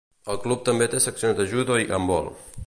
El club també té seccions de judo i handbol.